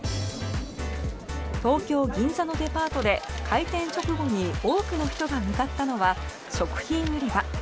東京・銀座のデパートで開店直後に多くの人が向かったのは食品売り場。